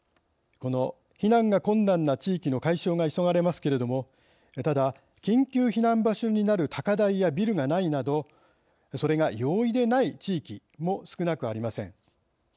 この避難が困難な地域の解消が急がれますけれどもただ緊急避難場所になる高台やビルがないなどそれが容易ではない地域も少なくありません。